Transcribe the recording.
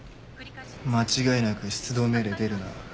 間違いなく出動命令出るな。